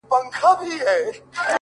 ناځواني ـ